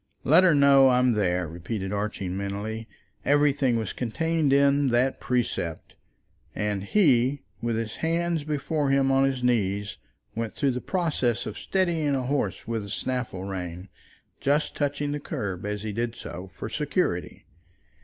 "Let her know that I'm there," repeated Archie, mentally. Everything was contained in that precept. And he, with his hands before him on his knees, went through the process of steadying a horse with the snaffle rein, just touching the curb, as he did so, for security.